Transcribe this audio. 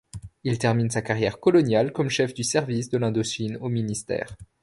Il termine sa carrière coloniale comme chef du service de l'Indochine au ministère.